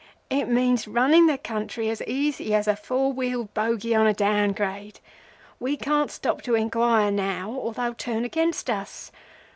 'It means running the country as easy as a four wheeled bogy on a down grade. We can't stop to inquire now, or they'll turn against us.